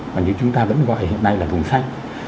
và như chúng ta vẫn gọi hiện nay là vùng xanh